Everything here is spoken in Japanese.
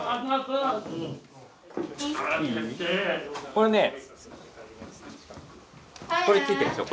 これねこれついてるでしょ。